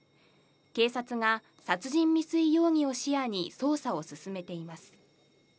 警察が殺人未遂容疑を視野に捜査を進めています。